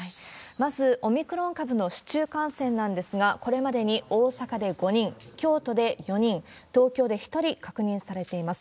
まず、オミクロン株の市中感染なんですが、これまでに大阪で５人、京都で４人、１人確認されています。